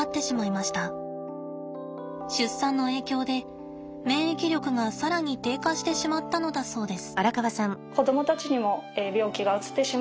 出産の影響で免疫力がさらに低下してしまったのだそうです。